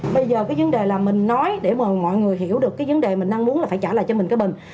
bây giờ cái vấn đề là mình nói để mà mọi người hiểu được cái vấn đề mình đang muốn là phải trả lại cho mình cái mình